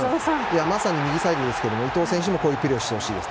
まさに右サイドですけれども伊東選手もこういうプレーをしてほしいです。